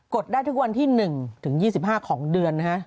ดได้ทุกวันที่๑ถึง๒๕ของเดือนนะฮะ